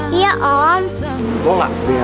kita puket ya